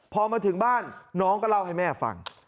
พอมาถึงบ้านน้องก็เล่าให้แม่ฟัง